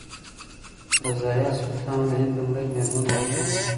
رضیا سلطانه د هند لومړۍ میرمن واکمنه وه.